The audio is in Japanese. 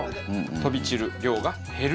飛び散る量が減ると。